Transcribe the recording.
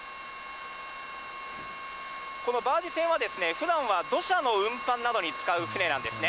このバージ船はふだんは土砂の運搬などに使う船なんですね。